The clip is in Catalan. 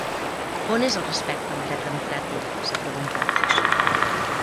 On és el respecte al dret democràtic?, s’ha preguntat.